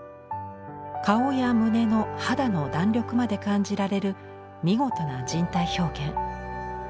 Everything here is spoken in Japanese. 顔や胸の肌の弾力まで感じられる見事な人体表現。